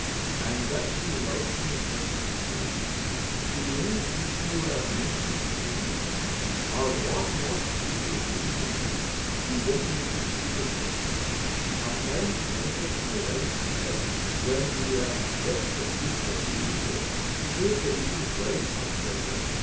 And that she loves me just the same." Copyrighted, 1897 I HE names which you have mentioned, three, what most people give to me." then looked serious and said :— 1897. Copyrighted, Xf^OMETIMES it enters my wife's head, When we have just a bit of leisure, To take a little ride for pleasure.